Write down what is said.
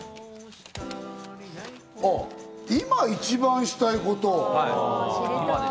今一番したいこと？